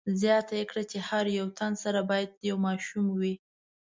زیاته یې کړه چې هر یو تن سره باید یو ماشوم وي.